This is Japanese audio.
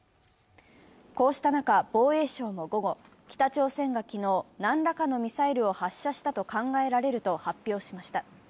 こうした中、防衛省も午後、北朝鮮が昨日、何らかのミサイルを発射したと考えられると発表しました。